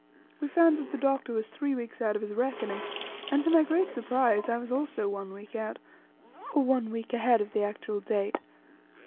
We found that the Doctor was three weeks out of his reckoning, and to my great surprise I was also one week out, or one week ahead of the actual date.